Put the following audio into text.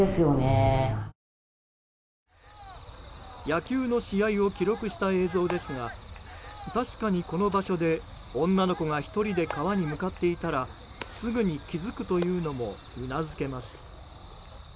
野球の試合を記録した映像ですが確かに、この場所で女の子が１人で川に向かっていたらすぐに気づくというのもうなずけます。